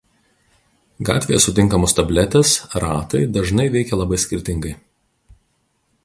Gatvėje sutinkamos tabletės „ratai“ dažnai veikia labai skirtingai.